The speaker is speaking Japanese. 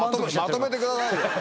まとめてくださいよ。